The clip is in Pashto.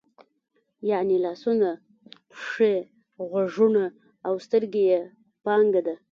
یعنې لاسونه، پښې، غوږونه او سترګې یې پانګه ده.